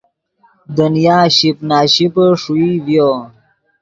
دنیا شیپ نا شیپے ݰوئی ڤیو